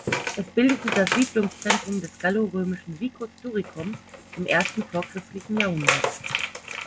Es bildete das Siedlungszentrum des gallo-römischen Vicus "Turicum" im ersten vorchristlichen Jahrhundert.